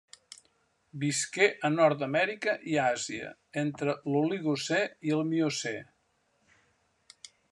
Visqué a Nord-amèrica i Àsia entre l'Oligocè i el Miocè.